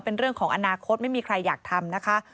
เป็นเรื่องของอนาคตไม่มีใครอยากทำนะคะ